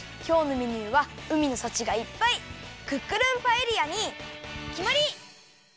きょうのメニューはうみのさちがいっぱいクックルンパエリアにきまり！